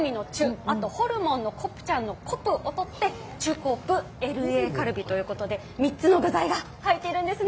あとホルモンのコプチャンのコプをとってチュコプＬＡカルビということで３つの具材が入ってるんですね。